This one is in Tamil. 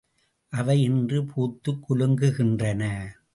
அவை இன்று பூத்துக் குலுங்குகின்றன.